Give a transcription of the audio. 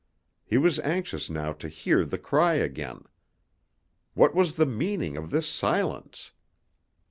He was anxious now to hear the cry again. What was the meaning of this silence?